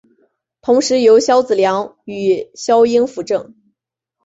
同时由萧子良与萧鸾辅政。